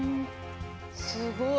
すごい。